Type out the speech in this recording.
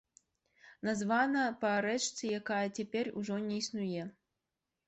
Названа па рэчцы, якая цяпер ужо не існуе.